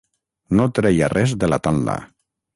No treia res delatant-la.